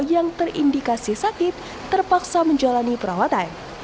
yang terindikasi sakit terpaksa menjalani perawatan